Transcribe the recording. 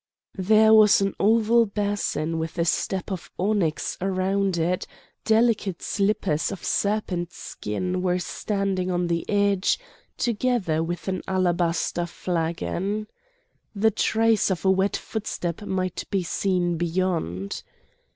There was an oval basin with a step of onyx round it; delicate slippers of serpent skin were standing on the edge, together with an alabaster flagon. The trace of a wet footstep might be seen beyond.